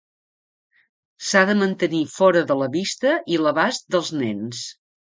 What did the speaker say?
S'ha de mantenir fora de la vista i l'abast dels nens.